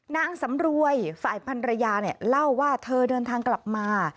นางสำรวยฝ่ายพันรยาเนี่ยเล่าว่าเธอเดินทางกลับมา